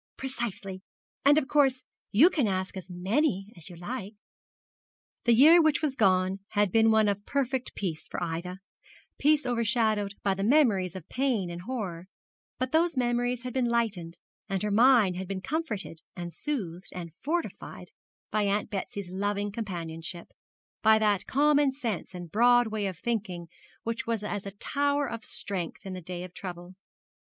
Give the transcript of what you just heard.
'Precisely. Of course you can ask as many as you like.' The year which was gone had been one of perfect peace for Ida, peace overshadowed by the memories of pain and horror; but those memories had been lightened, and her mind had been comforted, and soothed, and fortified by Aunt Betsy's loving companionship, by that common sense and broad way of thinking which was as a tower of strength in the day of trouble.